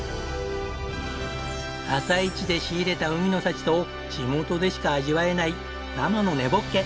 朝市で仕入れた海の幸と地元でしか味わえない生の根ボッケ。